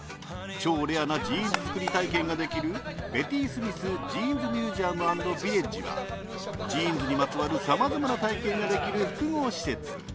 超レアなジーンズ作り体験ができるベティスミスジーンズミュージアム＆ヴィレッジはジーンズにまつわるさまざまな体験ができる複合施設。